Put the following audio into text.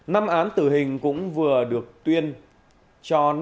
năm án tử hình cũng vừa được tuyên cho năm bị cáo về tội mua bán và tảng trữ trái phép chất ma túy